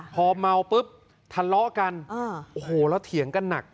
พอเมาปุ๊บทะเลาะกันโอ้โหแล้วเถียงกันหนัก